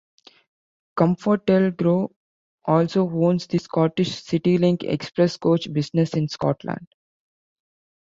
ComfortDelGro also owns the Scottish Citylink express coach business in Scotland.